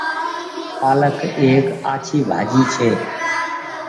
پآلڪ ايڪ آڇي ڀآڃي ڇي۔